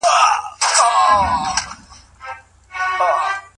ځان وژنه د حل لاره نه ده.